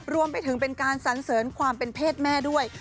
รวมไปถึงเป็นการสันเสริญความเป็นเพศแม่ด้วย